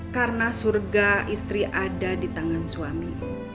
karena surga istri ada di tangan suami